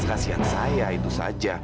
kasian saya itu saja